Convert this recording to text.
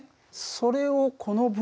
それをこのυ−